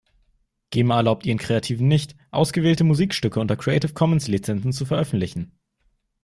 Gema erlaubt ihren Kreativen nicht, ausgewählte Musikstücke unter Creative Commons Lizenzen zu veröffentlichen.